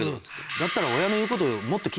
だったら。